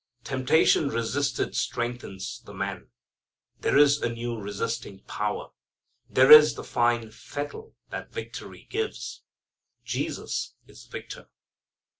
Temptation resisted strengthens the man. There is a new resisting power. There is the fine fettle that victory gives. Jesus is Victor.